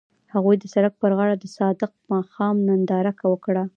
هغوی د سړک پر غاړه د صادق ماښام ننداره وکړه.